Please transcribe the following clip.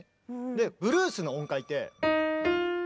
でブルースの音階って。